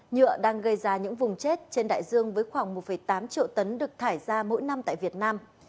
nhựa đang gây ra những vùng chết trên đại dương với khoảng một tám triệu tấn được thải ra mỗi năm tại việt nam